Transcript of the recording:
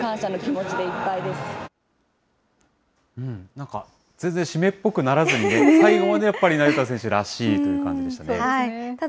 なんか、全然湿っぽくならずにね、最後までやっぱり成田選手らしいという感じでしたね。